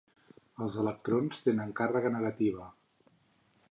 Els electrons tenen càrrega negativa.